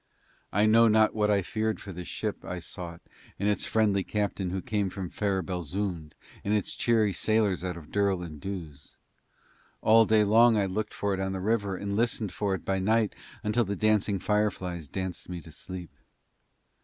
I know not what I feared for the ship I sought and its friendly captain who came from fair Belzoond and its cheery sailors out of Durl and Duz; all day long I looked for it on the river and listened for it by night until the dancing fireflies danced me to sleep.